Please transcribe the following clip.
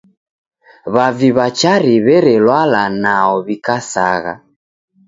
W'avi w'a Chari w'erelwala nwao w'ikasagha.